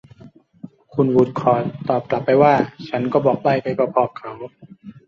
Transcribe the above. คุณวูดคอร์ทตอบกลับไปว่า ฉันก็บอกใบ้ไปพอ ๆ กับเขา